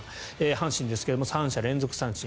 阪神ですが３者連続三振。